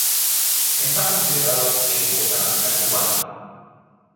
Está considerado el poeta nacional cubano.